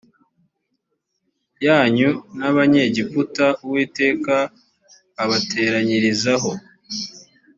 yanyu n abanyegiputa uwiteka abateranyirizaho